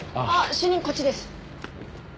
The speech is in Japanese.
主任こっちです。